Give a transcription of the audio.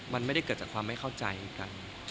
มันไม่ได้เกิดจากความไม่เข้าใจกัน